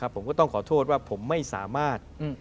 ผมก็ต้องขอโทษว่าผมไม่สามารถ